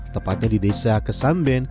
tepatnya di desa kesamben